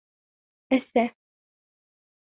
Әсә